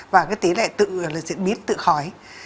và cái tỷ lệ tự diễn biến tự khỏi